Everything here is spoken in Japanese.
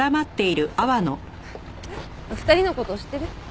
２人の事知ってる？